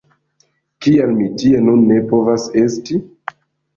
Kial mi tie nun ne povas esti?